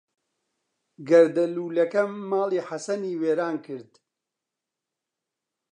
گەردەلوولەکە ماڵی حەسەنی وێران کرد.